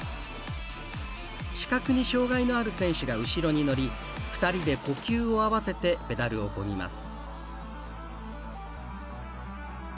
視覚に障がいのある選手が後ろに乗り２人で呼吸を合わせてペダルをこぎます。